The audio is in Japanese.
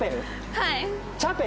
はい！